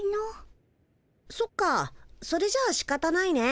そっかそれじゃあしかたないね。